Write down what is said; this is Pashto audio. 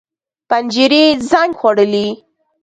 پنجرې زنګ خوړلي